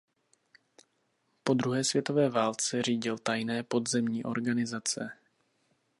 Po druhé světové válce řídil tajné podzemní organizace.